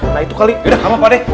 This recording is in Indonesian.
nah itu kali yaudah apa pakdeh